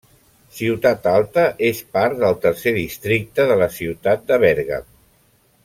Ciutat Alta és part del Tercer Districte de la ciutat de Bèrgam.